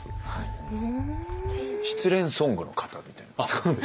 失恋ソングの型みたいな。